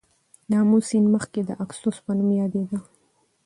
د آمو سیند مخکې د آکوسس په نوم یادیده.